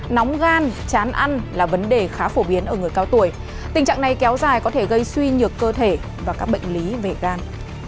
nóng gan chán ăn là vấn đề khá phổ biến ở người cao tuổi tình trạng này kéo dài có thể gây suy nhược cơ thể và các bệnh lý về gan